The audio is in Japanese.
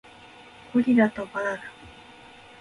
ゴリラとバナナ